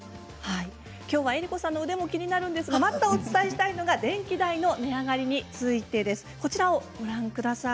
きょうは江里子さんの腕も気になるんですが、まずは電気代の値上がりについてです。